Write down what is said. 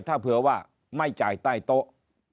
ถ้าเผื่อว่าไม่จ่ายใต้โต๊ะ